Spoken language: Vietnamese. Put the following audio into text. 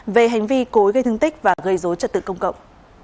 về hành vi cối gây thương tích và gây dối trật tự công cộng